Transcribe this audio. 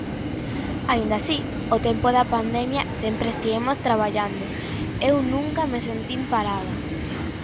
Aínda así, o tempo da pandemia sempre estivemos traballando, eu nunca me sentín parada.